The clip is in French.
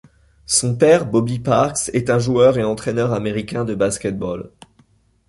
Son père Bobby Parks est un joueur et entraîneur américain de basket-ball.